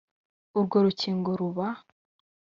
urwo rukingo ruba